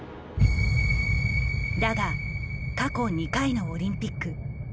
だが過去２回のオリンピック。